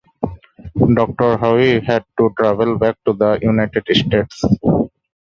Doctor Howe had to travel back to the United States.